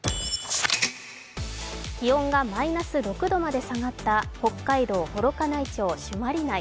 気温がマイナス６度まで下がった北海道幌加内町朱鞠内。